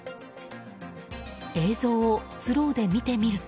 映像をスローで見てみると。